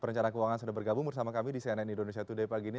perencana keuangan sudah bergabung bersama kami di cnn indonesia today pagi ini